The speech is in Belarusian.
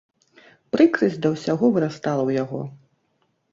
Прыкрасць да ўсяго вырастала ў яго.